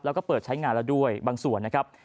แล้วก็เปิดใช้งานแล้วด้วยบางส่วนนะครับ